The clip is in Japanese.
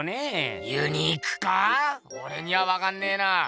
オレにはわかんねぇな。